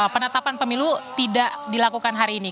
penetapan pemilu tidak dilakukan hari ini